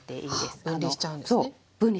そう分離しちゃうんですよ。